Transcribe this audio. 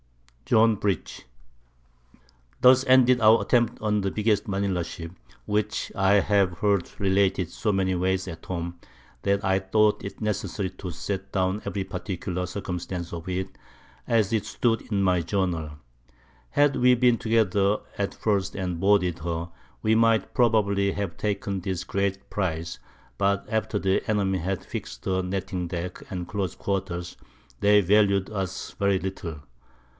John Bridge, Thus ended our Attempt on the biggest Manila Ship, which I have heard related so many ways at home, that I thought it necessary to set down every particular Circumstance of it, as it stood in my Journal. Had we been together at first and boarded her, we might probably have taken this great Prize; but after the Enemy had fixed her Netting deck and close Quarters, they valued us very little.